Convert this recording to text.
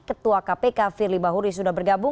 pak tumpak hatorangan pak gaben